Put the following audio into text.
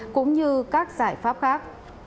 cũng như các giải pháp khác